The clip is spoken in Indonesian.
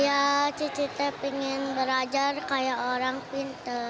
iya cici tuh pengen belajar kayak orang pintar